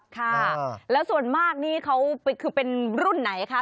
ค่ะแล้วส่วนมากนี่เขาคือเป็นรุ่นไหนคะ